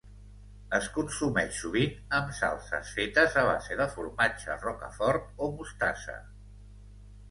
Es consumeix sovint amb salses fetes a base de formatge rocafort o mostassa.